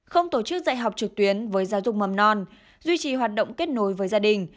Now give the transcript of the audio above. không tổ chức dạy học trực tuyến với giáo dục mầm non duy trì hoạt động kết nối với gia đình